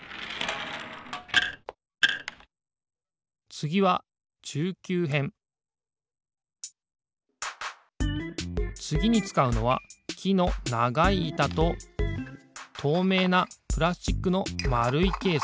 つぎはつぎにつかうのはきのながいいたととうめいなプラスチックのまるいケース。